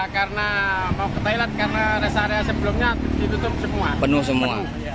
karena mau ke thailand karena res area sebelumnya diutur semua